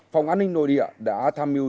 phòng an ninh nội địa đã tham mưu